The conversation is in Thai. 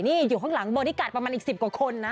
นี่อยู่ข้างหลังบอดี้การ์ดประมาณอีก๑๐กว่าคนนะ